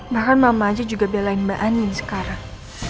bahkan mama aja juga belain mbak anin sekarang